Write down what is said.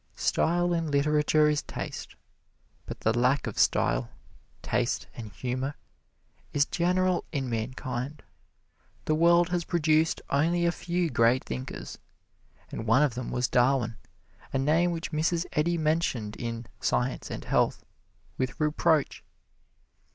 Style in literature is taste. But the lack of style, taste and humor is general in mankind. The world has produced only a few great thinkers, and one of them was Darwin, a name which Mrs. Eddy mentioned in "Science and Health" with reproach.